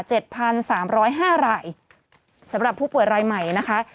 พันสามร้อยห้ารายสำหรับผู้ป่วยรายใหม่นะคะ